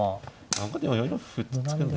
何かでも４四歩突くんですかね。